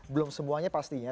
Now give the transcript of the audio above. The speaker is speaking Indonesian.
belum semuanya pastinya